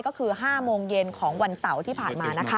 ก็คือ๕โมงเย็นของวันเสาร์ที่ผ่านมานะคะ